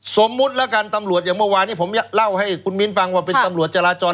สมมุติแล้วกันตำรวจอย่างเมื่อวานนี้ผมเล่าให้คุณมิ้นฟังว่าเป็นตำรวจจราจร